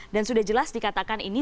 dan sudah jelas dikatakan ini